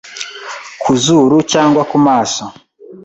ku zuru cyangwa ku maso